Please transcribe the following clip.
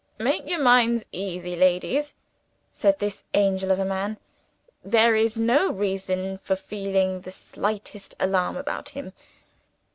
"Make your minds easy, ladies," said this angel of a man. "There is no reason for feeling the slightest alarm about him."